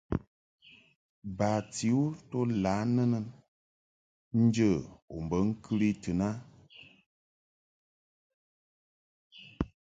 Bati u to lǎ nɨnɨn njə u be ŋkɨli tɨn a.